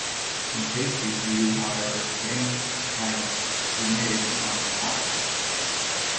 In Catesby's view however, James had reneged on his promises.